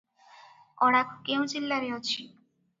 ଅଡାଖୁ କେଉଁ ଜିଲ୍ଲାରେ ଅଛି?